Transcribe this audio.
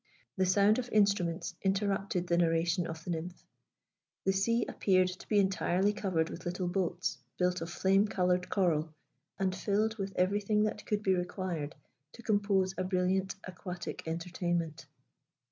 The sound of instruments interrupted the narration of the nymph. The sea appeared to be entirely covered with little boats, built of flame coloured coral, and filled with everything that could be required to compose a brilliant aquatic entertainment.